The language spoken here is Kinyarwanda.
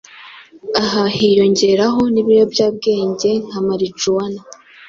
aha hiyongeraho n’ ibiyobyabwenge nka marijuwana,